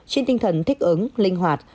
trên tinh thần thích ứng linh hoạt